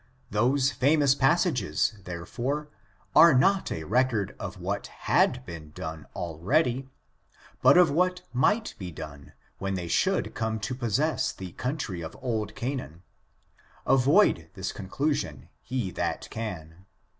Those famous passages, therefore, are not a record of what had been done aheady, but of what might be done when they should come to possess the coun try of old Canaan ; avoid this conclusion he that can.